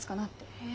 へえ。